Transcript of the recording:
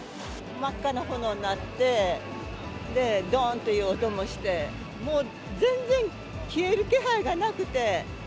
真っ赤な炎になって、で、どーんという音もして、もう全然、消える気配がなくて。